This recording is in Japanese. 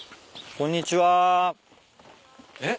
こんにちは。えっ？